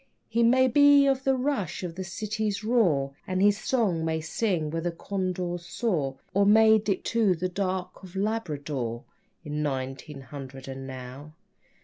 He may be of the rush of the city's roar And his song may sing where the condors soar, Or may dip to the dark of Labrador, In nineteen hundred and now.